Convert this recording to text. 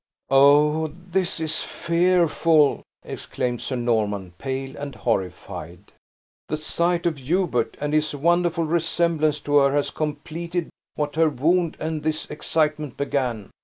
"Oh, this is fearful!" exclaimed Sir Norman, pale and horrified. "The sight of Hubert, and his wonderful resemblance to her, has completed what her wound and this excitement began.